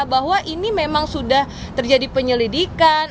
bahwa ini memang sudah terjadi penyelidikan